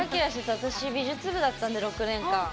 私、美術部だったんで６年間。